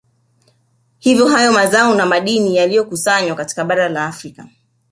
Hivyo hayo mazao na madini yaliyokusanywa katika bara la Afrika